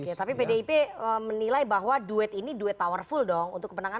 oke tapi pdip menilai bahwa duet ini duet powerful dong untuk kemenangan